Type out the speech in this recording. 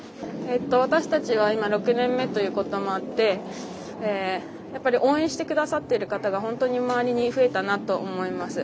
私たちは今６年目ということもあってやっぱり応援してくださっている方が周りに増えたなと思います。